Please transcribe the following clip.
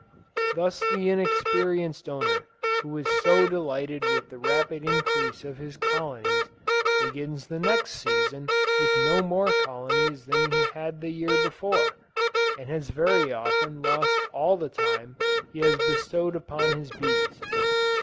Thus the inexperienced owner who was so delighted with the rapid increase of his colonies, begins the next season with no more colonies than he had the year before, and has very often lost all the time he has bestowed upon his bees.